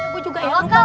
gue juga ya haikal